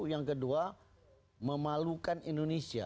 yang kedua memalukan indonesia